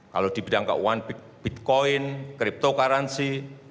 kalau di bidang keuangan bitcoin cryptocurrency